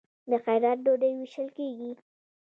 د خیرات ډوډۍ ویشل کیږي.